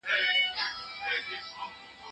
ایمان موږ ته په سختیو کي صبر راښیي.